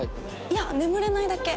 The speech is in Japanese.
いや眠れないだけ。